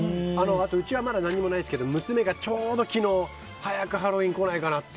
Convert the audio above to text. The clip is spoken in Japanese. うちはまだ何もないですけど娘が昨日、ちょうど早くハロウィーン来ないかなって。